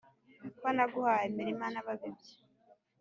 ko naguhaye imirima n' ababibyi